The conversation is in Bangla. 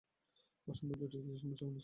অসম্ভব জটিল কিছু সমস্যার আপনি সমাধান দিয়েছেন।